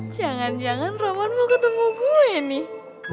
jangan jangan rawan mau ketemu gue nih